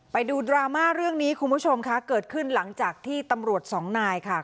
ไปดูดราม่าเรื่องนี้คุณผู้ชมค่ะเกิดขึ้นหลังจากที่ตำรวจสองนายค่ะ